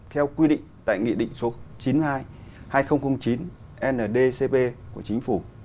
theo quy định tại nghị định số chín mươi hai hai nghìn chín ndcp của chính phủ